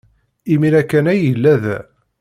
Imir-a kan ay yella da.